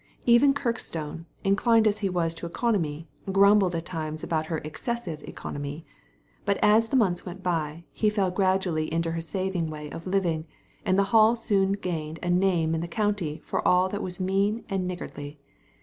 Even Kirkstonc, inclined as he was to economy, grumbled at times about her excessive economy; but as the months went by, he fell gradually into her saving way of living, and the Hall soon gained a name in the county for all that was mean and niggardly.